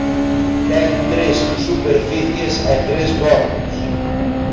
Ten tres superficies e tres bordos.